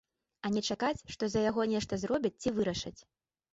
А не чакаць, што за яго нешта зробяць ці вырашаць.